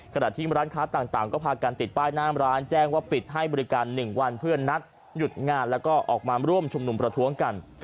ขณะที่ร้านค้าต่างก็พากันติดป้ายหน้ามร้านแจ้งว่าปิดให้บริการ๑วันเพื่อนนัดหยุดงานแล้วก็ออกมาร่วมชุมนุมประท้วงกัน